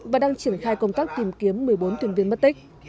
và đang triển khai công tác tìm kiếm một mươi bốn thuyền viên mất tích